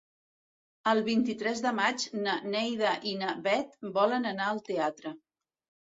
El vint-i-tres de maig na Neida i na Bet volen anar al teatre.